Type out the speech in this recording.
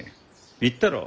言ったろう？